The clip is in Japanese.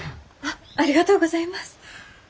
ありがとうございます。